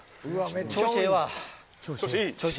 調子ええわ。